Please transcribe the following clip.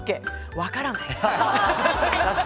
分からない。